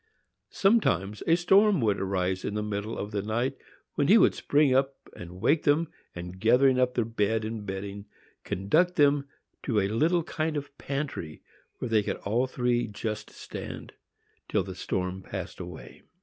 Sometimes a storm would arise in the middle of the night, when he would spring up and wake them, and, gathering up their bed and bedding, conduct them to a little kind of a pantry, where they could all three just stand, till the storm passed away.